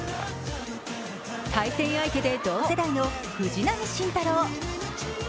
対戦相手で同世代の藤浪晋太郎。